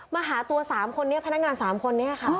มาหาตัว๓คนนี้พนักงาน๓คนนี้ค่ะ